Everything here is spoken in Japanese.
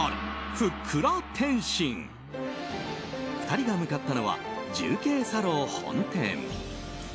２人が向かったのは重慶茶樓本店。